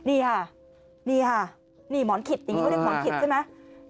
นี่ค่ะนี่ค่ะนี่หมอนขิดอย่างนี้เขาเรียกหมอนขิดใช่ไหม